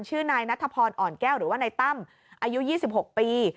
ชื่อนายนัทพรอ่อนแก้วหรือว่านายตั้มอายุ๒๖ปี